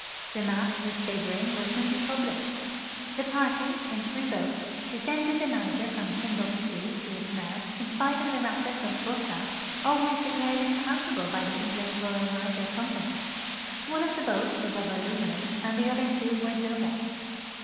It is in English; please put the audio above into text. The maps whicli they bring will soon be published. Tiie l)arty, in three boats, descended the Niger from Timbuktu to its mouth, in spite of the rapids of Bussa, always declared imi)awsable by the English Koyal Niger Company. One of the boats was of aluminum and the other two were dug outs.